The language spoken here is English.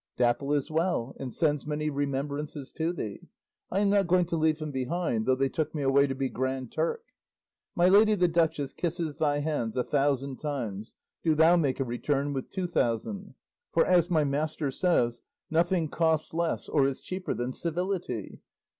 Dapple is well and sends many remembrances to thee; I am not going to leave him behind though they took me away to be Grand Turk. My lady the duchess kisses thy hands a thousand times; do thou make a return with two thousand, for as my master says, nothing costs less or is cheaper than civility.